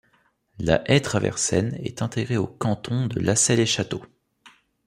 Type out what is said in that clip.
La Haie-Traversaine est intégrée au canton de Lassay-les-Châteaux.